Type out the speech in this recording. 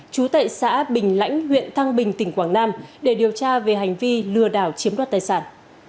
chú tại xã bình lãnh huyện thăng bình tỉnh quảng nam để điều tra về hành vi lừa đảo chiếm đoạt tài sản